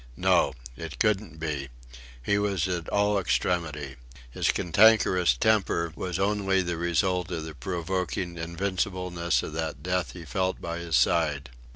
No! It couldn't be. He was at all extremity. His cantankerous temper was only the result of the provoking invincible ness of that death he felt by his side.